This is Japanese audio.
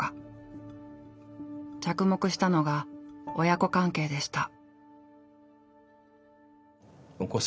着目したのが親子関係でした。